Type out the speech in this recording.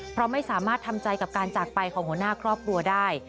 เพราะไม่สามารถทำใจกับการจากไปของหัวหน้าครอบครัวได้